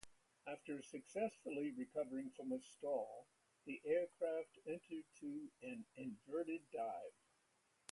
After successfully recovering from a stall, the aircraft entered an inverted dive.